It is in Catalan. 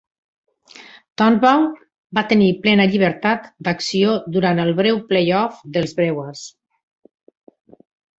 Turnbow va tenir plena llibertat d'acció durant el breu playoff dels Brewers.